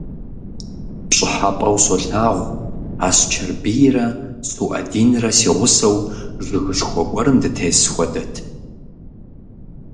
ПщӀыхьэпӀэу солъагъу: Асчэрбийрэ СуӀэдинрэ си гъусэу жыгышхуэ гуэрым дытес хуэдэт.